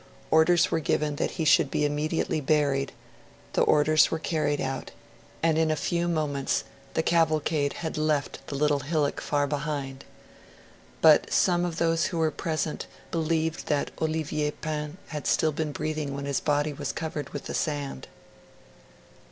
Orders were given that he should be immediately buried; the orders were carried out; and in a few moments the cavalcade had left the little hillock far behind. But some of those who were present believed that Olivier Pain had been still breathing when his body was covered with the sand.